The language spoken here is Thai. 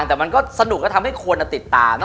แต่มันก็สนุกก็ทำให้คนติดตาม